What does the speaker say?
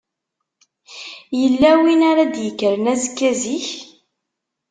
Yella win ara d-yekkren azekka zik?